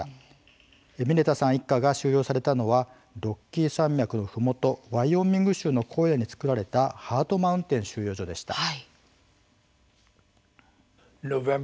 ミネタさん一家が収容されたのはロッキー山脈のふもとワイオミング州の荒野に造られたハートマウンテン収容所でした。